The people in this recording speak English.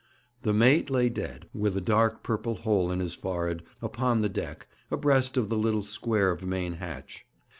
The mate lay dead, with a dark purple hole in his forehead, upon the deck, abreast of the little square of main hatch.